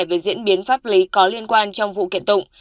về diễn biến pháp lý có liên quan trong vụ kiện tụng